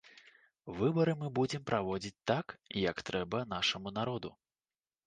Выбары мы будзем праводзіць так, як гэта трэба нашаму народу.